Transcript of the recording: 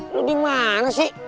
lo dimana sih